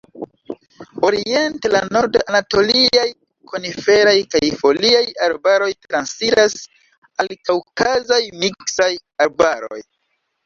Oriente, la Nord-anatoliaj koniferaj kaj foliaj arbaroj transiras al Kaŭkazaj miksaj arbaroj.